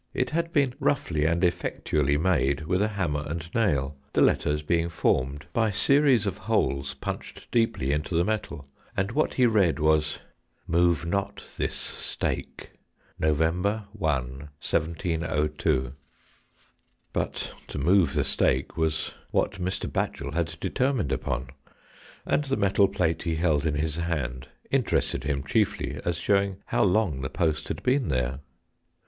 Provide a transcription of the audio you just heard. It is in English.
It had been roughly and effectually made with a hammer and nail, the letters being formed by series of holes 108 THE ROOKERY. punched deeply into the metal, and what he read was :— MOVE NOT THIS STAKE, NOV. 1, 1702. But to move the stake was what Mr. Batchel had determined upon, and the metal plate he held in his hand interested him chiejiy as showing how long the post had been there.